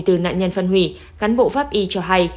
từ nạn nhân phân hủy cán bộ pháp y cho hay